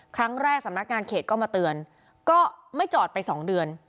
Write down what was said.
สำนักงานเขตก็มาเตือนก็ไม่จอดไป๒เดือน